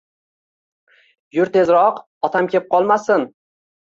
— Yur, tezroq, otam kep qolmasin!